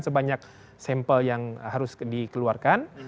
sebanyak sampel yang harus dikeluarkan